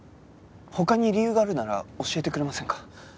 他に理由があるなら教えてくれませんか？